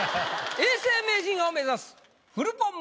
永世名人を目指すフルポン